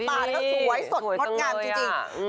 แล้วก็สวยสดงอดงามจริง